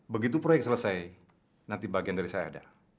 begitu proyek selesai nanti bagian dari saya ada